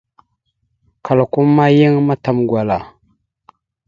Klakom ma yan matam gwala.